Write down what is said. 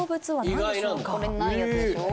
これにないやつでしょ